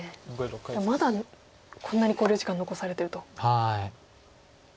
でもまだこんなに考慮時間残されてると。